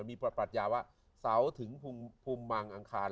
มีปรัชญาว่าเสาถึงภูมิมางอังคาร